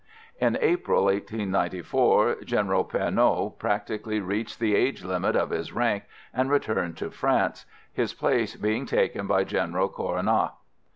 In April, 1894, General Pernot practically reached the age limit of his rank, and returned to France, his place being taken by General Coronnat.